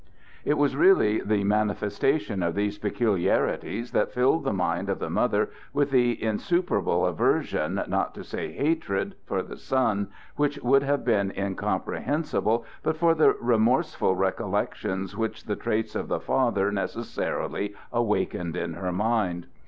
It was really the manifestation of these peculiarities that filled the mind of the mother with that insuperable aversion, not to say hatred, for the son, which would have been incomprehensible but for the remorseful recollections which the traits of the father necessarily awakened in her mind.